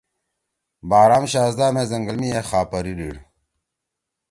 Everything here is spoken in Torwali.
بارام شاھزدہ مے زنگل می اے خاپری دیِڑ۔